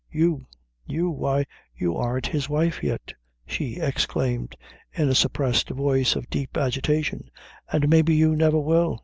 You, you, why you arn't his wife yet," she exclaimed, in a suppressed voice of deep agitation, "an maybe you never will.